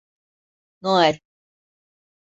Noel…